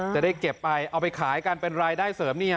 จะได้เก็บไปเอาไปขายกันเป็นรายได้เสริมเนี่ย